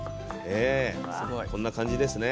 ええこんな感じですね。